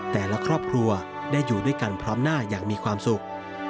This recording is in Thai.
แต่ละครอบครัวได้อยู่ด้วยกันพร้อมหน้าอย่างมีความสุข